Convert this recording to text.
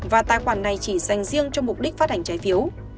và tài khoản này chỉ dành riêng cho mục đích phát hành trái phiếu